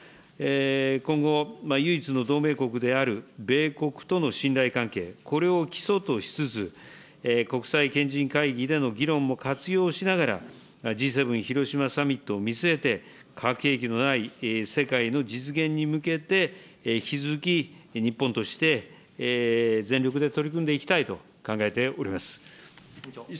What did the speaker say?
今後、唯一の同盟国である米国との信頼関係、これを基礎としつつ、国際賢人会議での議論も活用しながら、Ｇ７・広島サミットを見据えて、核兵器のない世界の実現に向けて、引き続き、日本として全力で取り組んでいきたいと考えております。